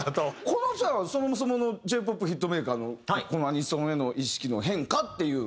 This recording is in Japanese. この人らはそもそものＪ−ＰＯＰヒットメーカーのこのアニソンへの意識の変化っていう。